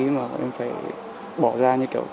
mà em phải bỏ ra như kiểu